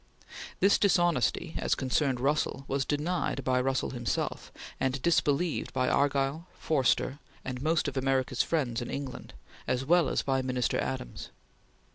This dishonesty, as concerned Russell, was denied by Russell himself, and disbelieved by Argyll, Forster, and most of America's friends in England, as well as by Minister Adams.